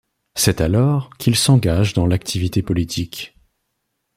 C'est alors qu'il s'engage dans l'activité politique.